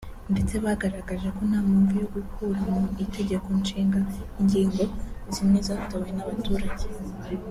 ndetse bagaragaje ko nta mpamvu yo gukura mu itegeko nshinga ingingo zimwe zatowe n’abaturage